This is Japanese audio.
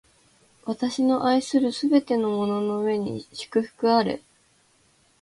私の愛するすべてのものの上に祝福あれ！